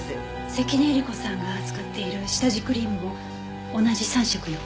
関根えり子さんが使っている下地クリームも同じ３色よ。